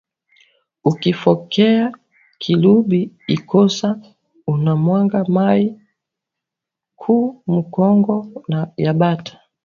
Uki fokeya kilubi ikosa una mwanga mayi ku mukongo ya bata